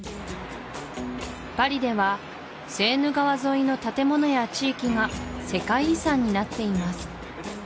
パリではセーヌ川沿いの建物や地域が世界遺産になっています